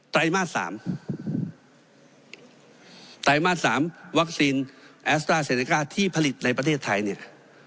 ไรมาส๓ไตรมาส๓วัคซีนแอสตราเซเนก้าที่ผลิตในประเทศไทยเนี่ย